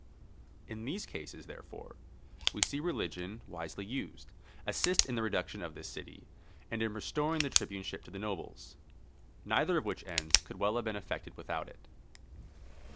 In these cases, therefore, we see religion, wisely used, assist in the reduction of this city, and in restoring the tribuneship to the nobles; neither of which ends could well have been effected without it.